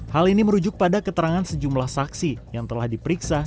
hal ini merujuk pada keterangan sejumlah saksi yang telah diperiksa